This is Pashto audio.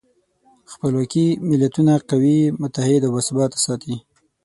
خپلواکي ملتونه قوي، متحد او باثباته ساتي.